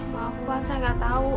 maaf pak saya gak tahu